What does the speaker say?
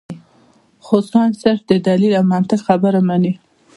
خو سائنس صرف د دليل او منطق خبره مني -